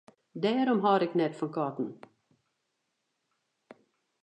Dêrom hâld ik net fan katten.